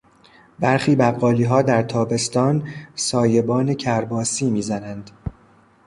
برخی بقالیها در تابستان سایبان کرباسی میزنند.